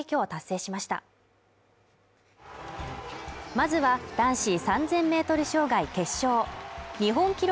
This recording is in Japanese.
まずは男子３０００ｍ障害決勝日本記録